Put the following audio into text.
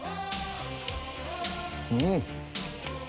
うん！